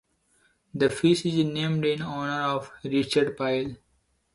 The fish is named in honor of Richard Pyle.